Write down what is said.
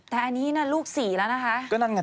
แต่อันนี้น่ะลูก๔แล้วนะคะ